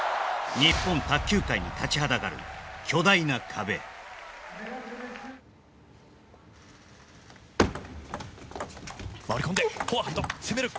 日本卓球界に立ちはだかる回り込んでフォア伊藤攻める